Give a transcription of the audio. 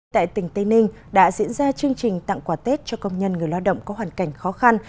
tại tỉnh tây ninh đã diễn ra chương trình tặng quà tết cho công nhân người lao động có hoàn cảnh khó khăn